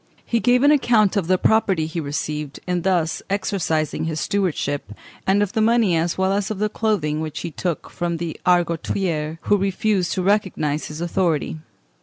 He gave an account of the property he received in thus exercising his stewardship, and of the money as well as of the clothing which he took from the Argotiers who refused to recognise his authority.